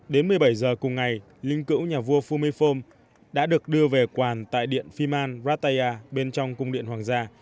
đến một mươi bảy h cùng ngày linh cữu nhà vua phu my phom đã được đưa về quàn tại điện phi man rathaya bên trong cung điện hoàng gia